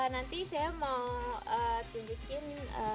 nanti saya mau tunjukin